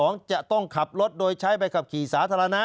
นั่นแน่นสิคะ